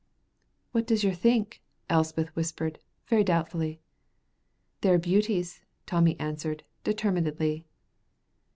"What does yer think?" Elspeth whispered, very doubtfully. "They're beauties," Tommy answered, determinedly.